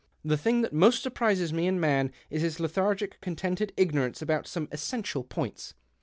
The thing that most surprises me in man is his lethargic, contented ignorance about some essential points.